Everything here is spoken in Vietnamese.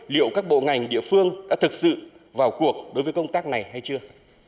liệu các bộ ngành địa phương đã thực sự vào cuộc đối với công tác này hay chưa